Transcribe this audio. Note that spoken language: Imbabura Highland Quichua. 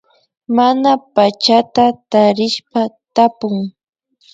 Mana pachata tarishpa tapun